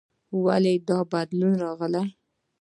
ولې دا بدلون راغلی؟